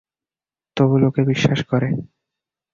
তবু লোকে বিশ্বাস করে।